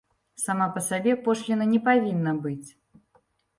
Сама па сабе пошліна не павінна быць.